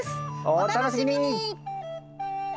お楽しみに！